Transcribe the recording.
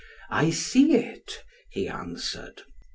"I see it," he answered.